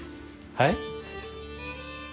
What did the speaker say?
はい？